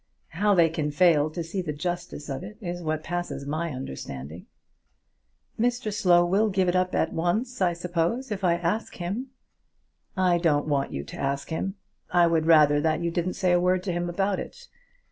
How they can fail to see the justice of it is what passes my understanding!" "Mr Slow will give up at once, I suppose, if I ask him?" "I don't want you to ask him. I would rather that you didn't say a word to him about it.